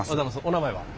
お名前は？